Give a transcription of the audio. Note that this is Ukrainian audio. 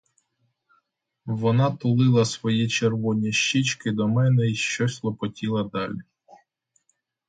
Вона тулила свої червоні щічки до мене й щось лопотіла далі.